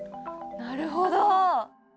なるほど！